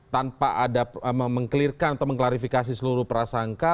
tanpa ada mengklirkan atau mengklarifikasi seluruh prasangka